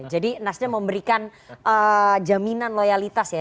jadi nasdem memberikan jaminan loyalitas ya